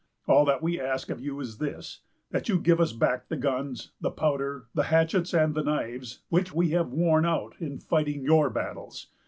All that we ask of you is this: that you give us back the guns, the powder, the hatchets, and the knives which we have worn out in fighting your battles.